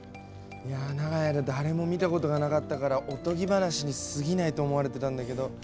いや長い間誰も見たことがなかったからおとぎ話にすぎないと思われてたんだけど。